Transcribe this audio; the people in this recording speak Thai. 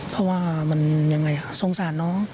เพราะว่ามันยังไงสงสารน้อง